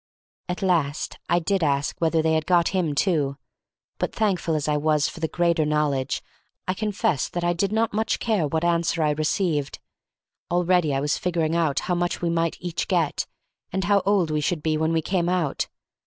At last I did ask whether they had got him too; but thankful as I was for the greater knowledge, I confess that I did not much care what answer I received. Already I was figuring out how much we might each get, and how old we should be when we came out.